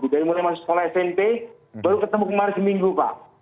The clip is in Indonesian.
dari mulai masuk sekolah smp baru ketemu kemarin seminggu pak